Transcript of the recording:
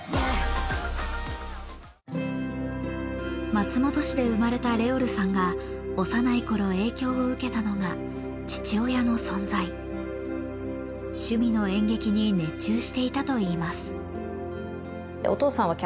松本市で生まれたＲｅｏｌさんが幼いころ影響を受けたのが趣味の演劇に熱中していたといいます。